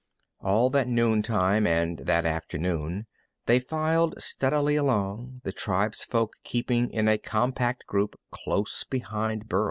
All that noontime and that afternoon they filed steadily along, the tribesfolk keeping in a compact group close behind Burl.